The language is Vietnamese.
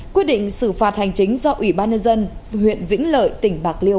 quyết định xử phạt hành chính do ủy ban nhân dân huyện vĩnh lợi tỉnh bạc liêu